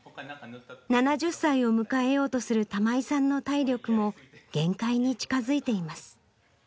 ７０歳を迎えようとする玉井さんの体力も限界に近づいています。